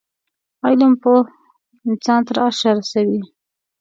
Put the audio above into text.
علم پوه انسان تر عرشه رسوی